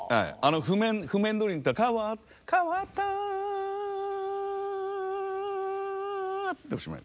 譜面どおりにいったら「変わった」でおしまい。